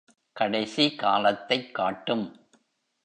கடைசி காலத்தைக் காட்டும்.